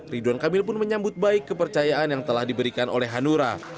ridwan kamil pun menyambut baik kepercayaan yang telah diberikan oleh hanura